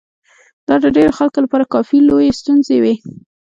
دا د ډېرو خلکو لپاره کافي لويې ستونزې وې.